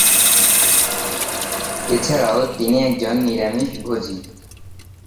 এ ছাড়াও তিনি একজন নিরামিষভোজী।